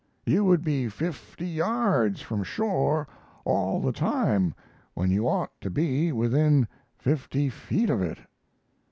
You would be fifty yards from shore all the time when you ought to be within fifty feet of it.